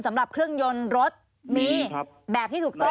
สำหรับเครื่องยนต์รถมีแบบที่ถูกต้อง